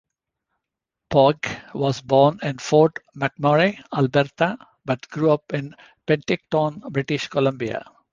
Pogge was born in Fort McMurray, Alberta, but grew up in Penticton, British Columbia.